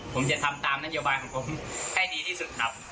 ผมจะทำตามนโยบายของผมให้ดีที่สุดครับ